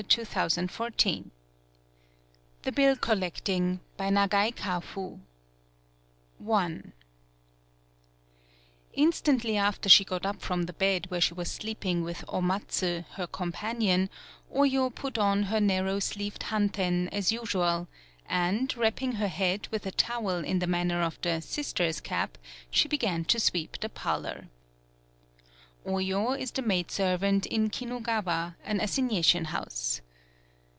68 THE BILL COLLECTING THE BILL COLLECTING By NAGAI KAFU T NSTANTLY after she got up from * the bed where she was sleeping with Omatsu, her companion, Oyo put on her narrow sleeved Hanten as usual, and, wrapping her head with a towel in the manner of the "sister's cap," she began to sweep the parlor. Oyo is the maidservant in Kinugawa, an assignation house.